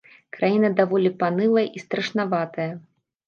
Краіна даволі панылая і страшнаватая.